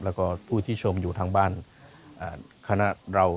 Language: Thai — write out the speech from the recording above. แล้วก็ผู้ที่ชมอยู่ทางบ้านคณะเรา